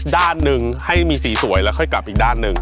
ด้านหนึ่งให้มีสีสวยแล้วค่อยกลับอีกด้านหนึ่ง